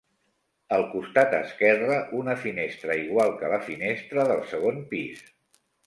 Al costat esquerre, una finestra igual que la finestra del segon pis.